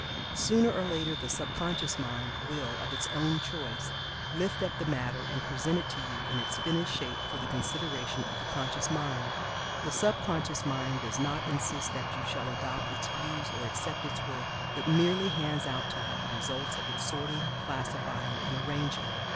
Sooner or later, the sub conscious mind will, of its own choice, lift up the matter and present it to you in its finished shape for the consideration of the conscious mind. The sub conscious mind does not insist that you shall adopt its views, or accept its work, but merely hands out to you the result of its sorting, classifying and arranging.